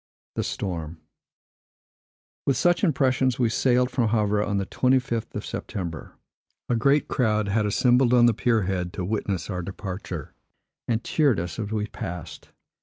With such impressions, we sailed from Havre on the 25th of September. A great crowd had assembled on the pier head to witness our departure, and cheered us as we passed.